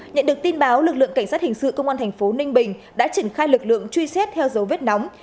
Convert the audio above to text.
nhận được tin báo lực lượng cảnh sát hình sự công an thành phố ninh bình đã triển khai lực lượng truy xét theo dấu vết nóng